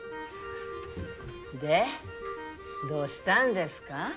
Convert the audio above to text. でどうしたんですか？